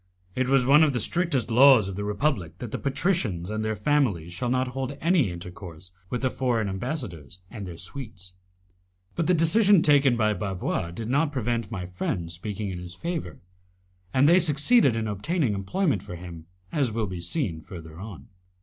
It is one of the strictest laws of the Republic that the patricians and their families shall not hold any intercourse with the foreign ambassadors and their suites. But the decision taken by Bavois did not prevent my friends speaking in his favour, and they succeeded in obtaining employment for him, as will be seen further on.